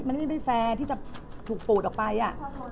มันไม่ได้แฟร์ที่จะถูกปูดออกไปอ่ะ